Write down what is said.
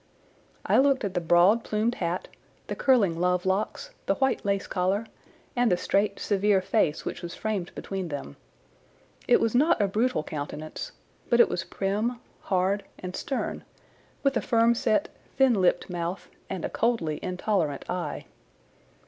I looked at the broad plumed hat, the curling love locks, the white lace collar, and the straight, severe face which was framed between them. It was not a brutal countenance, but it was prim, hard, and stern, with a firm set, thin lipped mouth, and a coldly intolerant eye.